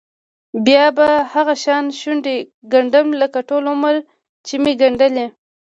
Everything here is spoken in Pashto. بیا به هغه شان شونډې ګنډم لکه ټول عمر چې مې ګنډلې.